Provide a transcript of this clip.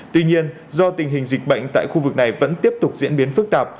tuy nhiên do tình hình dịch bệnh tại khu vực này vẫn tiếp tục diễn biến phức tạp